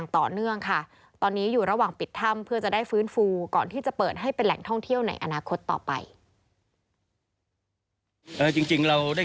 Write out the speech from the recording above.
ต่อเนื่องค่ะตอนนี้อยู่ระหว่างปิดถ้ำเพื่อจะได้ฟื้นฟูก่อนที่จะเปิดให้เป็นแหล่งท่องเที่ยวในอนาคตต่อไป